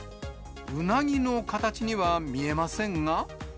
ウナギの形には見えませんが。